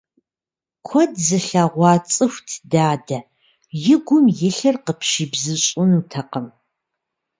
Куэд зылъэгъуа цӀыхут дадэ, и гум илъыр къыпщибзыщӀынутэкъым.